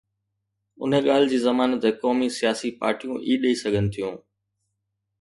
ان ڳالهه جي ضمانت قومي سياسي پارٽيون ئي ڏئي سگهن ٿيون.